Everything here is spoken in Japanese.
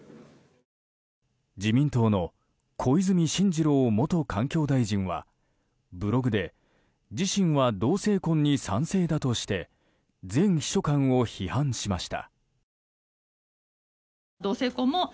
自民党の小泉進次郎元環境大臣はブログで自身は同性婚に賛成だとして前秘書官を批判しました。